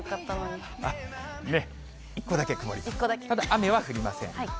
雨は降りません。